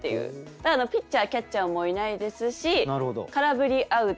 だからピッチャーキャッチャーもいないですし空振りアウト。